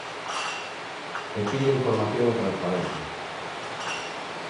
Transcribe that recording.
E pide información e transparencia.